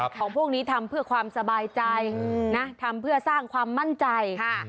ของพวกนี้ทำเพื่อความสบายใจนะทำเพื่อสร้างความมั่นใจค่ะ